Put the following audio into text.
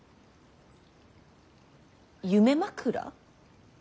夢枕？